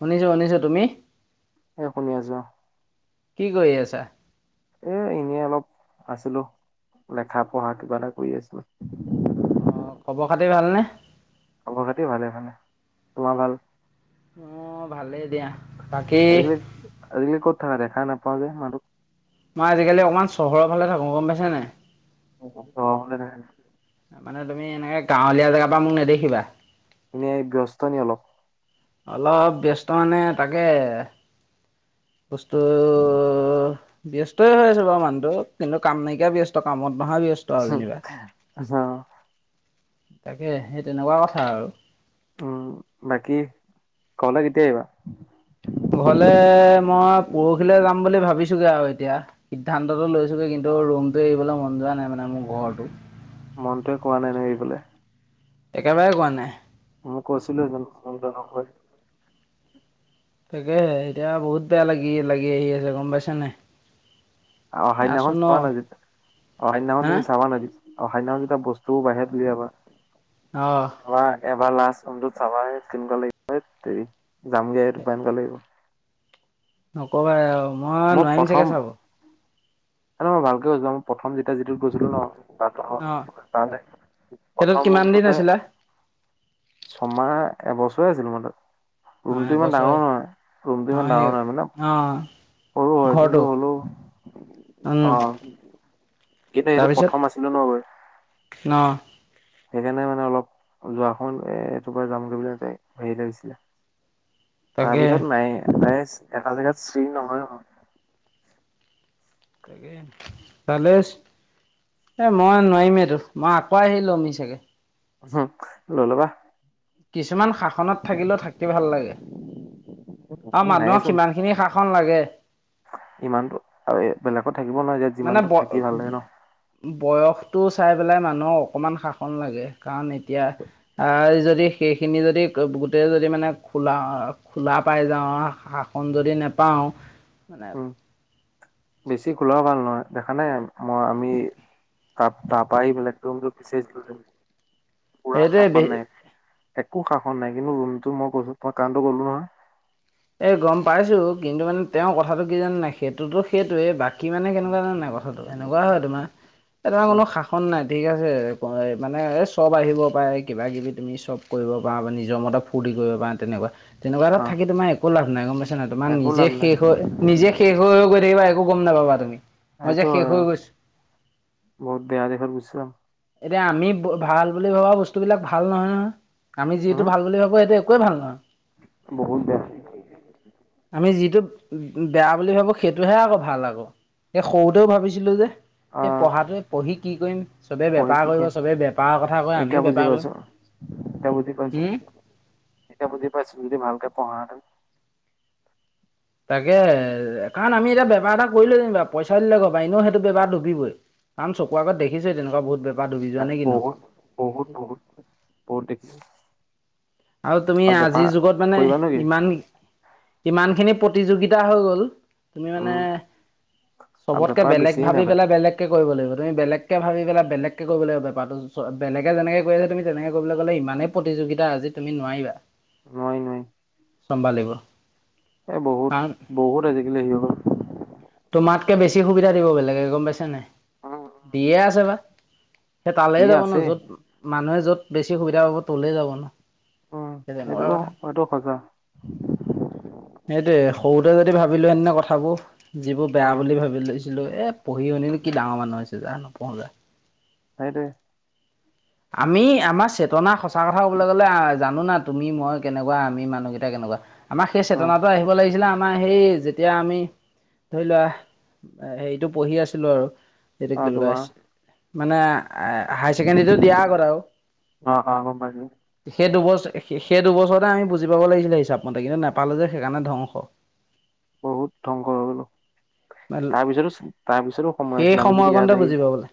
শুনিছোঁ শুনিছোঁ, তুমি? এ শুনি আছো। কি কৰি আছা? এ এনেই অলপ আছিলো, লেখা পঢ়া কিবা এটা কৰি আছিলো। অ খবৰ খাতি ভালনে? খবৰ খাতি ভালে ভালে, তোমাৰ ভাল? মোৰ ভালেই দিয়া। বাকী আজিকালি আজিকালি ক'ত থকা দেখা নাপাওঁ যে মানুহ? মই আজিকালি অকমান চহৰৰ ফালে থাকো গম পাইছ নাই। অ হৈ নে। মানে তুমি এনেকে গাঁৱলীয়া জেগা পা মোক নেদেখিবা। এনেই ব্যস্ত নি অলপ? অলপ ব্যস্ত মানে তাকে বস্তু ব্যস্তই হৈ আছে বাৰু মানুহটো কিন্তু কাম নাইকিয়া ব্যস্ত কামত নহা ব্যস্ত। আৰু শু যেনিবা অহ। তাকে সেই তেনেকুৱা কথা আৰু। উম বাকী ঘৰলে কেতিয়া আহিবা? ঘৰলে মই পৰখিলে যাম বুলি ভাবিছোগে আৰু এতিয়া। সিদ্ধান্তটো লৈছোগে কিন্তু ৰুমটো এৰিবলৈ মন যোৱা নাই মানে মোৰ ঘৰটো। মনটোৱে কোৱা নাই নে এৰিবলে। একেবাৰে কোৱা নাই। মই কৈছিলো চুন [unintelligible] নকৈ। তাকে হে এতিয়া বহুত বেয়া লাগি লাগি আহি আছে গম পাইছেনে নাই। অ সেইদিনাখন আছোঁ ন [unintelligible] অহ সেইদিনাখন হা তুমি চাবা [unintelligible] অ সেইদিনাখন যেতিয়া বস্তু বাহিৰত ওলাবা অহ। তোমাৰ এবাৰ লাষ্ট ৰোমটোত চাবা কেনেকুৱা লাগিব হেইট তেৰি যামগে এইটোপা এনেকা লাগিব। নক'বাই আৰু মই নোৱাৰিম চাগে চাব। মানে মই ভালকে লৈ যাও মই প্ৰথম যেতিয়া যিটোত গৈছিলো ন। তাত অ অঁ তালে সেইটোত প্ৰথম কিমান দিন ৰোমটোতে। আছিলা ছমাহ এবছৰে আছিলো মই তাত। অঁ ৰুমটো ইমান ডাঙৰ এবছৰে নহয় ৰুমটো অঁ ইমান সেই ডাঙৰ নহয় মানে। অঁ সৰু হয় কিন্তু ঘৰটো। হ'লেও উম অ কিন্তু এইটো প্ৰথম আছিলো ন গৈ। ন। সেইকাৰণে মানে অলপ যোৱাখন এ এইটোপ যামগৈ বুলিতে হেৰি ল গৈছিলে। তাৰ তাকে পিছত নাই নাইচ এটাই এটা জেগাত শ্ৰী নহয় হ। তালেছ। এ মই নোৱাৰিমেই এইটো মই আকৌ আহি লোমি চাগে। ললবা। কিছুমান শা। সনত থাকিলেও থাকি ভাল লাগে আৰু মানুহক নাইচোন সিমানখিনি শাসন লাগে। ইমানতো আৰু এ বেলেগত থাকিব নোৱাৰে যে। মানে ব। [inaudible] বয়সটো চাই পেলাই মানুহক অকণমান শাসন লাগে কাৰণ এ। তিয়া আ যদি। সেইখিনি যদি গোটেই যদি মানে খোলা খোলা পাই যাওঁ শাক। খন যদি নোপাওঁ মানে। উম বেছি খোলাও ভাল নহয় দেখা নাই মই আমি। তা তাৰাপ বগ তম পিচাৰছিলো পুৰা শাসন সেইটোৱে নাই। একো শাসন নাই কিন্তু ৰুলতো মই কৈছো ত মই কাৰণো কলো নহয়। এ গম পাইছো কিন্তু মানে তেওঁৰ কথাটো কি জানো নাই সেইটোতো সেইটোয়ে বাকী মানে উম কেনেকুৱা জানে নাই ক। থা টো এনেকুৱা হয় তোমাৰ উম কোনো শাসন নাই ঠিক আছে মানে এই চব আহিব পাৰে কিবাকিবি তুমিন চব। কৰিব পাৰ বা নিজৰ মতে ফূৰ্তি কৰিব পাৰা তেনেকুৱা তেনেকুৱা এতাত অ থাকি তোমাৰ একো লাভ নাই গম পাইছা নাই তোমাৰ একো নিজে লাভ নাই শেষ হৈ নিজে। শেষ হৈ গৈ থাকিবা একো গম নাপাব তুমি। মই যে এইটো শেষ হৈ গৈছো বহুত বেয়া দেখা গুচছা। এতিয়া আমি ভাল বুলি ভবা বস্তুবিলাক ভাল নহয় নহয়। আমি যিটো উম ভাল বুলি ভাবো সেইটো একোৱেই ভাল নহয়। বহুত বেয়া। আমি যিটো বেয়া বুলি ভাবো সেইটোহে আকৌ ভাল আকৌ এ সৰুতেও ভাবিছিলো যে। সে আহ পঢ়াটোৱে পঢ়ি কি কৰিম। চবে পঢ়ি বেপাৰ কি কৰিব কৰিম চবে বেপাৰৰ কথা কয় এতিয়া আমিও বুজি বেপাৰ কৰিম পাইছো এতিয়া বুজি পাইছো হুম। এতিয়া বুজি পাইছ যদি ভালকে পঢ়া হেঁতেন। তাকে কাৰণ আমি এতিয়া বেপাৰ এটা। কৰিলে যেনিবা পইচা দিলে কবা এনেও সেইটো বেমাৰ ডুিবই কাৰণ চকু আত দেখিছে তেনেকুৱা বু বোৰ। [inaudible] বহুত বহুত বহুত বহুত দেখি। আৰু তুমি আজিৰ যুগত মানে কৰিবা নেকি ইমান ইমানখিনি প্ৰতিযোগিতা হৈ গ'ল। তুমি মানে উম আৰু চবতকে বেপাৰ বেলেগ বেছিয়ে ভাবি নাপায় পেলাই বেলেগ। কৰিব লাগিব তুমি বেলেগকৈ ভাবি পেলাই বেলেকৈ কৰিবাগ বোৰটো বেলেগে যেনেকৈ আছে তুমি তেনেকৈ কৰিবলৈ গ'লে ইমানে। প্ৰতিযোগিতা আজি তুমি নোৱাৰিবা। মই নোৱাৰিম। চম্ভালিব এ বহুত কাৰণ বহুত আজিকালি সি তোমাতকে বেছি সুবিধা দিব বেলেগে গম পাইছা নাই উম দিয়ে আছে বা সেই যি তালেই যাব ন আছে য'ত মানুহে য'ত বেছি সুবিধা পাব তলে যাব ন উম, হে তেনেকুৱা সেইটোতো কথা সেইটো সঁচা। সেইটোৱে সৰুতে যদি ভাবিলো হেতেন নো কথাবোৰ যিবোৰ বেয়া উম, বুলি ভাবি লৈছিলোঁ এই পঢ়ি শুনি নো কি ডাঙৰ মানুহ হৈছে যা নপঢ়োঁ যা সেইটোৱে আমি আমাৰ চেতনা সঁচা কথা ক'বলৈ গ'লে আ জানো না তুমি মই কেনকা আমি মানুহকেইটা কেনকা আমি সেই অ', চেতনাটো আহিব লাগিছিলে আট আমাৰ সেই যেতিয়া আমি ধৰি লোৱা হেৰিটো পঢ়ি আছিলো আৰু সেটো অ', ক্লাছ তোমাৰ মানে হাই ছেকেণ্ডীটোত বিয়া কৰাও অ', অ', গম পাইছোঁ। সেই দুবছ সেই দুবছৰতে আমি বুজি পাব লাগিছিলে হিচাপ মতে কিন্তু নাপালো যে সেইকাৰণে ধ্বংস বহুত ধ্বংস হৈ গলো তাৰপিছতো তাৰপিছতো সময় সেই আছিল আমি যদি সময়কণতে ইয়াত আহি বুজি পাবলৈ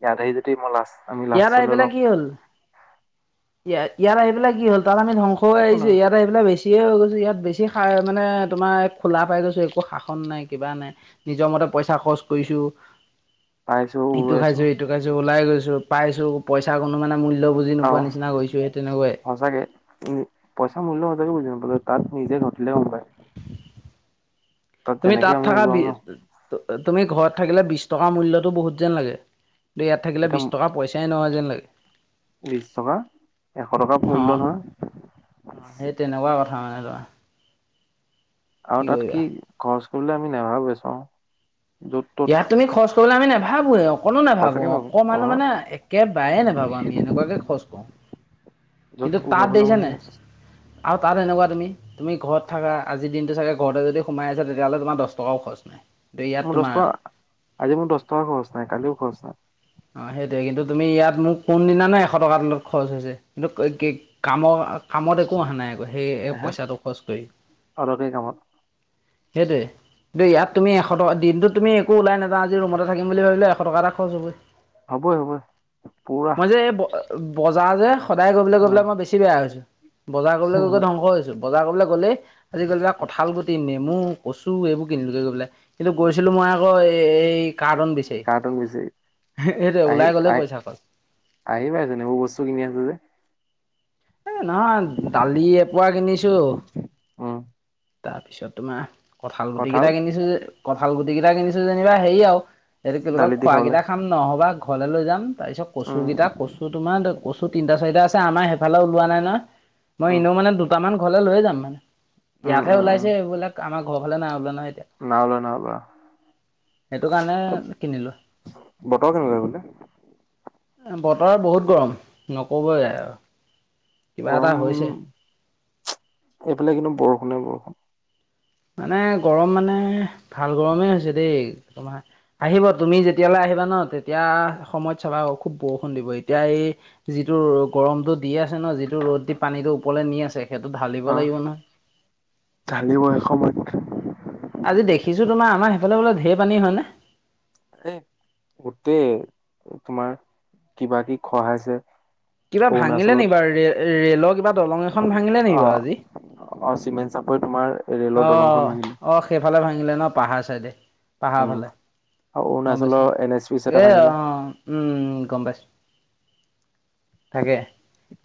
ইয়াত আহি যদি মই লাষ্ট আমি লাষ্টলৈ অলপ ইয়া ইয়াত আহি পেলাই কি হ'ল তাত আমি ধ্বংস হৈ একো আহিছো নহয় ইয়াত ই এইবিলাক বেছিয়ে হৈ গৈছো ইয়াত বেছি হাৰ মানে তোমাৰ খোলা পাই গৈছোঁ একো শাখ সন নাই কিবা নাই নিজৰ মতে পইচা খৰচ কৰিছো পাইছোঁ ইটো খাইছো উৰুৱাইছোঁ সিটো তাছত ওলাই গৈছো পাইছো পইচা কোনো মানে মুল অ সঁচাকে উম পইচা মূল্য সচাঁকে বুজি নাপালোঁ তাত নিজে ঘটিলে গম পায় তুমি যেনেকে তাত আমি থাকা যি উৰুৱাও ন' তু তুমি ঘৰত থাকিলে বিশ টকা মূল্যতো বহুত যেন লাগে ইয়াত থাকিলে এতিয়া বিশ টকা পইচা পইছাই নহয় যেন লাগে বিশ টকা এশ টকা অ মূল্য নহয় অ সেই তেনেকুৱা কথা মানে ধৰা আৰু তাত কি খৰচ কৰিবলে আমি নাভাবোৱেই চাওঁ যত ত'ত ইয়াত তুমি খৰচ কৰিবলে আমি নেভাবোৱে অকণো নাভাবোঁ সঁচাকে নকওঁ অকণমানো অ', মানে একেবাৰেেই নাভাবো আমি এনেকুৱাকে খৰছ কৰোঁ য'ত কিন্তু তাত উৰুৱাবলৈ দেখিছা মন নাই যায় আৰু তাত এনেকুৱা তুমি তুমি ঘৰত থাকা আজিৰ দিনটো চাগে ঘৰতে যদি সোমাই আছা তেতিয়াহ'লে তোমাৰ দছ টকাও খৰচ নাই কিন্তু ইয়াত মোৰ দছ তোমাৰ টকা আজি মোৰ দছ টকা খৰচ নাই কালিও খৰচ নাই অ সেইটোৱে কিন্তু তুমি ইয়াত মোৰ কোনদিনানো এশ টকা তলত খৰচ হৈছে কিন্তু ক কে কামৰ কামত একো অহা নাই আক সেই এহে পইচাটো খৰচ কৰি অদৰকাৰী কামত সেইটোয়ে দেই ইয়াত তুমি এশ টকা দিনটো তুমি একো ওলাই নযাও আজি ৰুমতে থাকিম বুলি ভাবিলেও এশ টকা এটা খৰচ হবই হ'বই হ'বই ক তে এ বঅঅ বজাৰ যে সদায় গৈ পেলে অ গৈ পেলে মই বেছি বেয়া হৈছো বজাৰ কৰিবলৈ গৈ গৈ ধ্বংস হৈছো। বজাৰ কৰিবলৈ গ'লেই আজিকালি কঁঠাল গুটি নেমু কচু এইবোৰ কিনিলোঁগে গৈ পেলাই কিন্তু গৈছিলোঁ মই আকৌ এ এ এই কাৰ্টন বিচাৰি তোক বিচাৰি সেইটোৱে আহি ওলাই গ'লেই পইচা আহি খৰচ। আহিলাই যেনিবা এইবোৰ বস্তু কিনি আছে যে এ নহয় দালি এপোৱা কিনিছোঁ উম তাৰপিছত তোমাৰ কঁঠাল গুটি কিটা কিনিছোঁ কঁঠাল গুটি কিটা কিনিছোঁ যেনিবা হেই আউ এইটো কি বুলি কয়, দালিত দি খোৱা খাবলে কেইটা খাম, নহ'বা ঘৰলে লৈ যাম তাৰপিছত কচু উম কেইটা, কচু তোমাৰ কচু তিনিটা-চাৰিটা আছে, আমাৰ সেইফালে ওলোৱা নাই ন, মই উম এনেও মানে দুটামান ঘৰলে লৈয়ে যাম, মানে উম ইয়াতহে উম উম ওলাইছে এইবিলাক আমাৰ ঘৰ ফালে নাই ওলোৱা নহয় এতিয়া। নাও লোৱা নাও লোৱা সেইটো কাৰণে কিনিলো। বতৰ কেনেকুৱা সেইফালে? বতৰ বহুত গৰম নক'বই আৰু কিবা এটা গৰম হৈছে। এইফালে কিন্তু বৰষুণে, বৰষুণ। মানে গৰম মানে ভাল, গৰমেই হৈছে দেই তোমাৰ আহিব তুমি যেতিয়ালৈ আহিবা ন, তেতিয়া সময়ত চাবা খুব বৰষুণ দিব এতিয়া এই যিটো গৰমতটো দি আছে ন, যিটো ৰ'দ দি পানীটো ওপৰলে নি আছে, সেইটো ঢালিব আহ লাগিব নহয়। ঢালিব এসময়ত। আজি দেখিছোঁ তোমাৰ, আমাৰ সেইফালে বোলে, ধেই পানী হয়নে? এ, গোটেই, তোমাৰ কিবা-কিবি খঢ়াইছে। কিবা ভাঙিলে নেকি বাৰু ৰে, ৰেলৰ কিবা দলং এখন ভাঙিলে নি, অ বাৰু আজি? অ, চিমেণ্ট চাপৰিত তোমাৰ ৰেলৰ অ, দলংখন ভাঙিলে অ, সেইফালে ভাঙিলে ন, পাহাৰ চাইডে। পাহাৰ উম ফালে, আৰু গম অৰুণাচলৰ পাইছোঁ, এন এছ পি এটা এ, ভাঙিলে অ, গম পাইছোঁ। তাকে,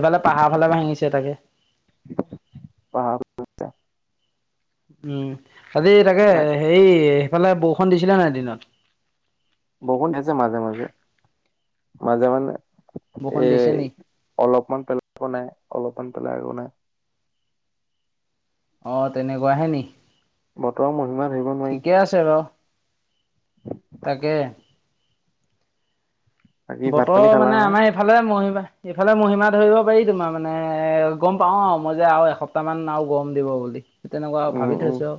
এইফালে পাহাৰ ফালে ভাঙিছে তাকে। পাহাৰ উম, আজি তাকে, হেৰি সেইফালে বৰষুণ দিছিলে নাই দিনত? বৰষষুণ দিছে, মাজে, মাজে, মাজে মানে, বৰষুণ দিছে এই। নি? অলপমান পেলাই আকৌ নাই, অলপমান পেলাই আকৌ নাই। অ, তেনেকুৱাহে নি, বতৰৰ মহিমা ধৰিব নোৱাৰি ঠিকে আছে বাৰু। তাকে। বাকী ভাত বতৰ পানী খালা মানে, নহয় আমাৰ এইফালে মহিমা ইফালে মহিমা ধৰিব পাৰি তোমাৰ মানে, এ, গম পাওঁ আৰু মই যে আৰু এসপ্তাহ মান আৰু গৰম দিব বুলি। তেনেকুৱা আৰু উম ভাবি উম থৈছো,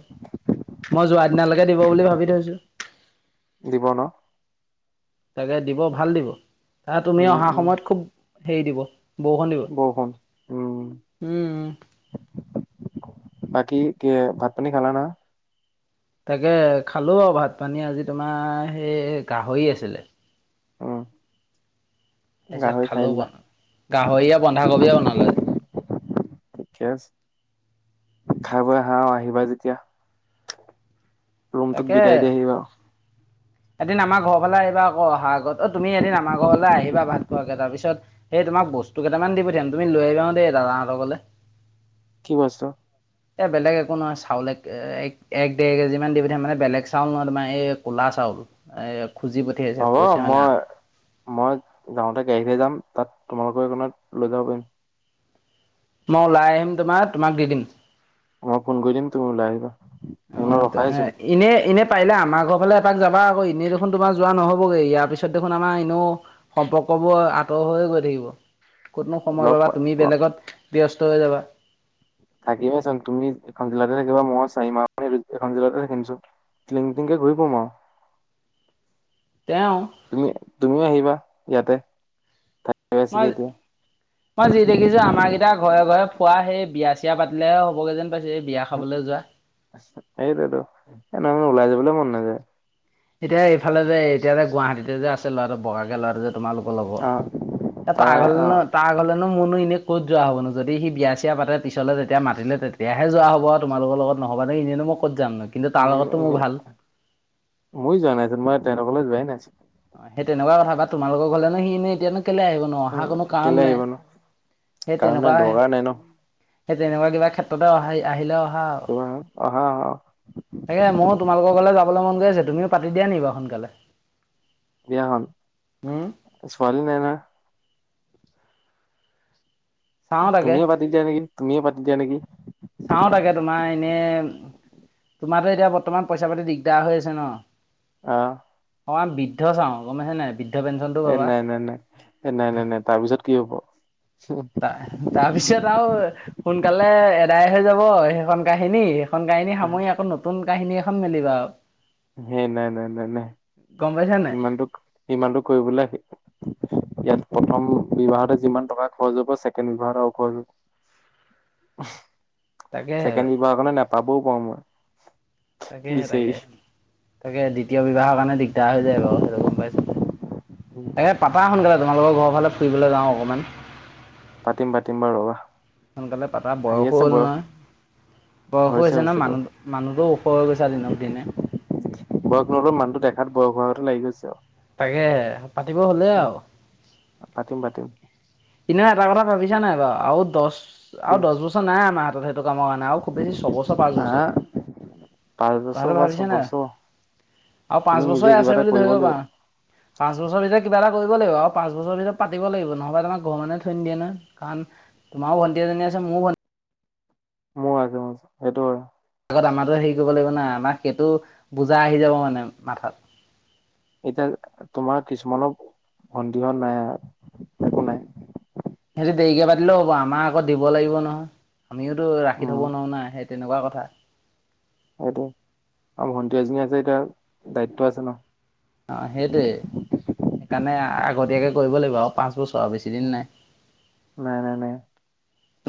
মই যোৱা দিনালৈকে দিব বুলি ভাবি থৈছো। দিব ন। তাকে দিব ভাল দিব, তুমি উম অহা উম সময়ত খুব হেৰি দিব। বৰষুণ দিব, বৰষুণ উম, বাকি কি, ভাত পানী-খালা নহয়। তাকে খালোঁ আৰু ভাত-পানী আজি তোমাৰ, সেই গাহৰি আছিলে। উম তাৰপিছত গাহৰি খাই খালোঁ দিলা বাৰু, গাহৰিয়ে বন্ধাকবিয়ে বনালে আজি। ঠিকে আছে। খাই বৈ আহা আৰু আহিবা যেতিয়া। ৰুমটোক তাকে। বিদায় দি আহিবা [inaudible] এদিন আমাৰ ঘৰ ফালে আহিবা আকৌ, অহা আগত অ, তুমি এদিন আমাৰ ঘৰলৈ আহিবা ভাত খোৱাকে তাৰপিছত এই তোমাক বস্তু কেইটামান দি পঠিয়াম, তুমি লৈ আহিব দেই দাদাহঁতৰ ঘৰলে। কি বস্তু? এই বেলেগ একো নহয়, চাউল এক, এক ডেৰ কেজিমান দি পঠিয়াম, মানে বেলেগ চাউল নহয় তোমাৰ এই ক'লা চাউল। এ, খুজি পঠিয়াইছে হ'ব কৈছে মানে মই মই যাওঁতে গাড়ীতে যাম, তাত তোমালোকৰ সেইকণত লৈ যাব পাৰিম। মই ওলাই আহিম তোমাৰ, তোমাক দি দিম। মই ফোন কৰি দিম, তুমি ওলাই আহিবা। সেইকণত অ' ৰখাইচোন ইনেই এনে পাৰিলে আমাৰ ঘৰৰ ফালে এপাক যাবা আকৌ এনেই দেখোন তোমাৰ যোৱা নহ'বগৈ ইয়াৰ পিছত দেখোন আমাৰ এনেও সম্পৰ্কবোৰ আঁতৰ হৈয়ে গৈ থাকিব। ক'তনো সময় লগ পাবা তুমি পোৱা বেলেগত ব্যস্ত হৈ যাবা। থাকিবচোন তুমি এখন জিলাতে থাকিবা মই চাৰি মাহ এখন জিলাতে থাকিম চোন। লিংটিং কে ঘূৰি পম আৰু। তেওঁ। তুমি তুমিও আহিবা ইয়াতে আছিগে মাল এতিয়া মই যি দেখিছো আমাৰ কেইটা ঘৰে ঘৰে খোৱা সেই বিয়া চিয়া পাতিলেহে হ'বগে যেন পাইছোঁ। বিয়া খাবলে যোৱা। সেইটোৱেটো এইটো টাইমত ওলাই যাবলৈ মন নাযায়। এতিয়া এইফালে যে এতিয়া যে গুৱাহাটীতে তে আছে ল'ৰাটো বগাকে ল'ৰাটো যে। তোমালোকৰ লগৰ অ এ তা তাই ঘৰলে অ ন তাৰ ঘৰলেনো মোৰ নো এনেই ক'ত যোৱা হ'বনো যদি সি বিয়া চিয়া পাতে পিছলৈ তেতিয়া মাতিলে তেতিয়া বেয়াহে যোৱা হ'ব আৰু তোমালোকৰ লগত নহ'বা এনে মই ক'ত যাম নো কিন্তু তাৰ লগতো মোৰ ভাল। মইও যোৱা নাই চোন মই তেনেতৰ ঘৰলে যোৱাই নাই চোন অ সেই তেনেকুৱা কথা বা তোমালোকৰ ঘৰলে নো সি এনেই এতিয়া কেলে আহিব নো। উম অহা কোনো কাৰণ কেলে নাই আহিব নো হে কাৰণ নাই তেনেকুৱা হে দৰকাৰ নাই ন সেই তেনেকুৱা কিবা ক্ষেত্ৰতে অহা আহিলে অহা আও। তই অহা তাকে মইও তোমালোকৰ ঘৰলে যাবলৈ মন গৈ আছে তুমিও পাতি দিয়া নি বাও সোনকালে বিয়াখন উম ছোৱালী নাই নহয় চাওঁ তাকে তুমিয়ে পাতি দিয়া নেকি, তুমিয়ে পাতি দিয়া নেকি চাওঁ তাকে তোমাৰ এনেই তোমাৰ তো এতিয়া বৰ্তমান পইচা পাতি দিগদাৰ হৈ আছে ন। অ'। অ বৃদ্ধ চাওঁ গম পাইছে বৄ এ নাই নাই নাই এ নাই নাই নাই তাৰপিছত কি হব। তাৰ তাৰপিছত আৰু সোনকালে এদাই হৈ যাব সেইখন কাহিনী এখন কাহিনী সেই সামৰি আকৌ নতুন কাহিনী এখন মিলিবা আও। সেই নাই নাই নাই নাই পাইছা নাই ইমানটো সিমানটো কৰিবলে আহি ইয়াত প্ৰথম বিবাহতে যিমান টকা খৰচ হ'ব ছেকেণ্ড বিবাহত উখ এযুৰখৰচ হব। তাকেহে ছেকেণ্ড বিভাহৰ কাৰণে নাপাবও পাও মই। তাকেহে তাকে বিচাৰি তাকে দ্বিতীয় বিবাহৰ কাৰণে দিগদাৰ হৈ যায় বাৰু সেইটো গম পাইছোঁ। উম এই পাতা সোনকালে তোালোকৰ ঘৰৰ ফালে ফুৰিবলে যাওঁ অকণমান। পাতিম পাতিম বাৰু ৰ'বা। সোনকালে পাতা বয়সো আহি আছে হ'ল বয়স নহয়। বয়সো হৈছে নহয় মানুহ মানুহটো ওখ হৈ গৈছে দিনক দিনে। বয়স নহলেও মানুহটো দেখাত বয়স হোৱাৰ গতে লাগি গৈছে আৰু। তাকেহে পাতিব হ'লে আৰু। পাতিম পাতিম। সিদিনা এটা কথা ভাবিছা নাই বাৰু আৰু দহ আৰু দেই দহ বছৰ নাই আমাৰ হাতত সেইটো কামৰ কাৰণ আৰু খুব বেছি ছবছৰ পাঁচ আহা বছৰ। পাঁচ বছৰ কথাটো বা ভাবিছে নে ছবছৰ আউ পাঁচ তুমি নিজে বছই কিবা আছে এটা বুলি কৰিব ধৰিব লাগিব পাৰা। পাঁচ বছৰ ভিতৰত কিবা এটা কৰিব লাগিব আউ পাঁচ বছৰ ভিৰত পাতিব লাগিব নহবা তোমাক ঘ মানুহে থৈ নিদিয়ে নহয় কাৰণ তোমাৰো ভন্টি এজনী আছে মো ভন মোৰ আগে মাজ সেইটো হয় আগত আমাৰো হেৰি কৰিব লাগিব ন আমাৰ সেইটো বুজা আহি যাব মানে মাথাত এতিয়া তোমাৰ কিছুমানৰ ভন্তি হত নাই হা সিহঁতি দেৰিকে পাতিলেও হ'ব আমাৰ আকৌ দিব লাগিব নহয় আমিওতো ৰাখি থব উম নোৱাও না তেনেকা কথা সেইটো আম ভণ্টি এজনী আছে এতিয়া দায়িত্ব আছে ন অ', সেইটোৱে সেইকাৰণে আগতীয়াকে কৰিব লাগিব আউ পাঁচ বছৰ আউ বেছি দিন নাই নাই নাই নাই